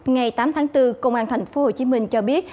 ngày tám tháng bốn công an tp hcm cho biết